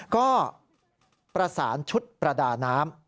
ก็ประสานชุดประดาน้ำ